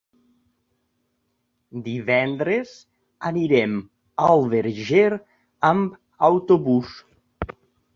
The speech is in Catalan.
Divendres anirem al Verger amb autobús.